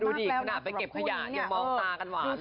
ดูดิขนาดไปเก็บขยะยังมองตากันหวานเลย